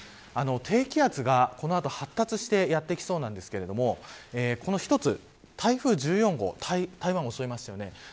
低気圧が、この後発達してやってきそうなんですけれども台風１４号台湾を襲いましたよね。